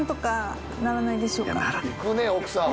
いくね奥さん。